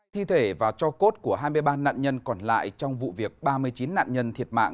thi thể và cho cốt của hai mươi ba nạn nhân còn lại trong vụ việc ba mươi chín nạn nhân thiệt mạng